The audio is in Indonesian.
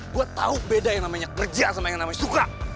gue tau beda yang namanya kerja sama yang namanya suka